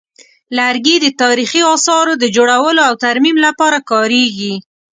لرګي د تاریخي اثارو د جوړولو او ترمیم لپاره کارېږي.